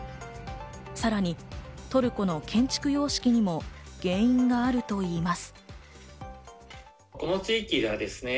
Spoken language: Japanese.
さらにトルコの建築様式にも原因があるといいます。